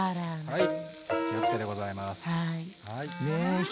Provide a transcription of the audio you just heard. はい。